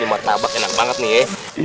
ini mantabak enak banget nih